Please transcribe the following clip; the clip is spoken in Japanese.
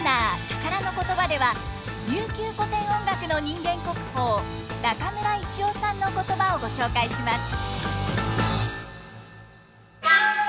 「たからのことば」では琉球古典音楽の人間国宝中村一雄さんのことばをご紹介します。